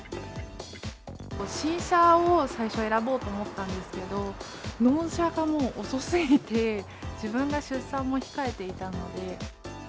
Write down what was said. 新車を最初、選ぼうと思ったんですけど、納車がもう遅すぎて、自分が出産も控えていたので。